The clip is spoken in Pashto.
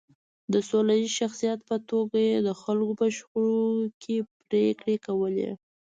د سوله ییز شخصیت په توګه یې د خلکو په شخړو کې پرېکړې کولې.